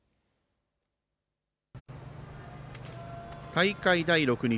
大会第６日。